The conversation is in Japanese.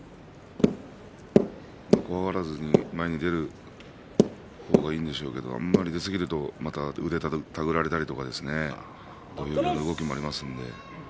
怖がらずに前に出る方がいいんでしょうけどあまり出すぎるとまた腕を手繰られたりとかそういう動きもありますので。